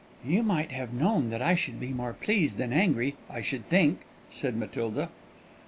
"You might have known that I should be more pleased than angry, I should think," said Matilda.